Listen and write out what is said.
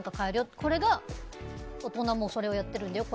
これを大人もそれをやってるんだよ。